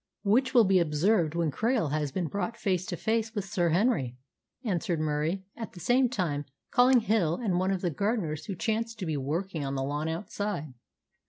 "Which will be observed when Krail has been brought face to face with Sir Henry," answered Murie, at the same time calling Hill and one of the gardeners who chanced to be working on the lawn outside.